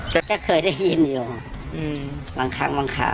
ก็เคยได้ยินอยู่หลังครั้งบางคราว